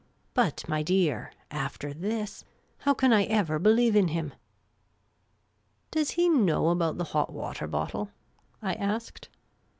But, my dear, after this, how can I ever believe in him ?"" Does he know about the hot water bottle ?" I asked.